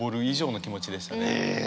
へえ！